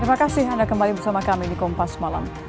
terima kasih anda kembali bersama kami di kompas malam